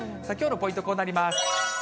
きょうのポイント、こうなります。